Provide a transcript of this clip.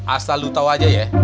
asal lo tau aja ya